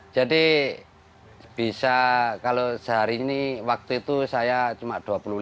jadi bisa kalau sehari ini waktu itu saya cuma dua puluh lima